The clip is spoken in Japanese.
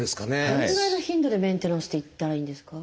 どのぐらいの頻度でメンテナンスって行ったらいいんですか？